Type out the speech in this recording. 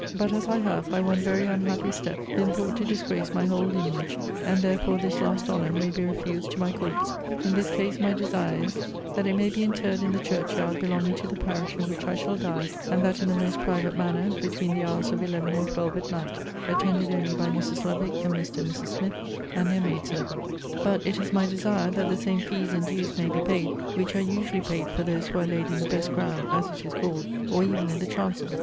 But as I have, by one very unhappy step, been thought to disgrace my whole lineage, and therefore this last honour may be refused to my corpse; in this case my desire is, that it may be interred in the churchyard belonging to the parish in which I shall die; and that in the most private manner, between the hours of eleven and twelve at night; attended only by Mrs. Lovick, and Mr. and Mrs. Smith, and their maid servant. But it is my desire, that the same fees and dues may be paid which are usually paid for those who are laid in the best ground, as it is called, or even in the chancel.